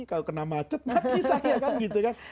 kalau kena macet mati saya kan gitu kan